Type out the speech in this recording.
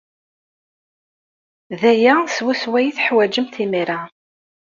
D aya swaswa ay teḥwajemt imir-a.